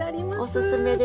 おすすめです。